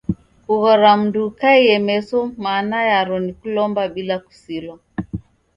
Kughora mndu ukaie meso mana yaro ni kulomba bila kusilwa.